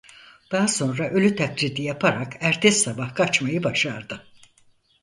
Daha sonra ölü taklidi yaparak ertesi sabah kaçmayı başardı.